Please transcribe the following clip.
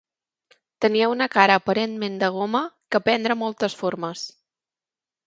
Tenia una cara aparentment de goma que prendre moltes formes.